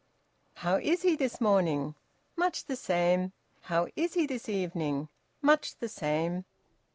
"How is he this morning?" "Much the same." "How is he this evening?" "Much the same."